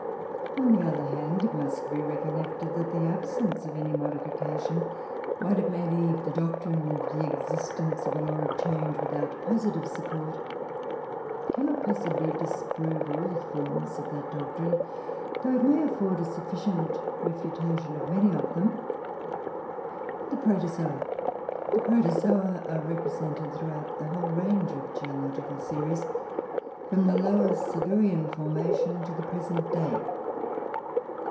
On the other hand, it must be recollected that the absence of any modification, while it may leave the doctrine of the existence of a law of change without positive support, cannot possibly disprove all forms of that doctrine, though it may afford a sufficient refutation of many of them. The PROTOZOA. The Protozoa are represented throughout the whole range of geological series, from the Lower Silurian formation to the present day.